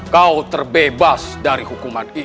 kau terbebas dari hukuman itu